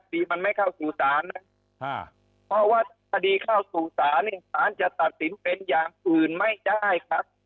คดีมันไม่เข้าสู่ศาลนะเพราะว่าคดีเข้าสู่ศาลเนี่ยสารจะตัดสินเป็นอย่างอื่นไม่ได้ครับ